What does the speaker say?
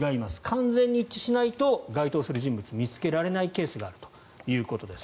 完全に一致しないと該当する人物を見つけられないケースがあるということです。